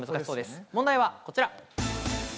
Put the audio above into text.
問題はこちら。